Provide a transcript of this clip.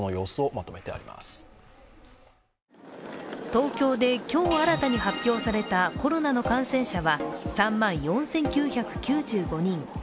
東京で今日新たに発表されたコロナの感染者は３万４９９５人。